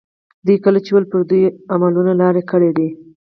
دوی کله ویل چې پردیو علمونو لاره کړې ده.